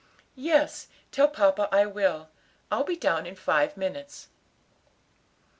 "Yes, tell papa I will. I'll be down in five minutes."